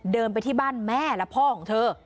เดินไปที่บ้านแม่และพ่อของเธอ